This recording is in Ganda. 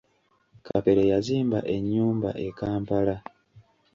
Kapere yazimba enyumba e Kampala.